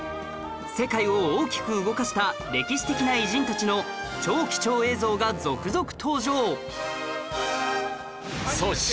世界を大きく動かした歴史的な偉人たちの超貴重映像が続々登場！